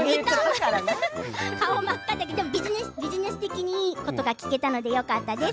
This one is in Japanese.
顔が真っ赤だけどビジネス的にいいことが聞けたのでよかったです。